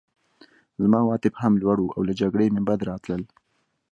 زما عواطف هم لوړ وو او له جګړې مې بد راتلل